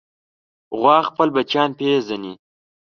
غوا خپل بچیان پېژني.